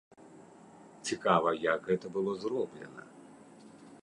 Цікава, як гэта было зроблена.